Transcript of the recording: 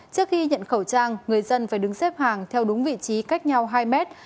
trước khi nhận khẩu trang người dân phải đứng xếp hàng theo đúng vị trí cách nhau hai mét